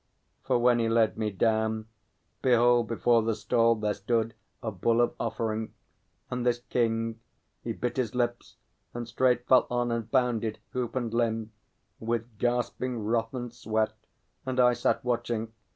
For when he led me down, behold, before the stall there stood A Bull of Offering. And this King, he bit his lips, and straight Fell on and bound it, hoof and limb, with gasping wrath and sweat. And I sat watching!